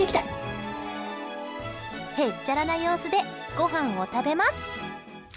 へっちゃらな様子でごはんを食べます。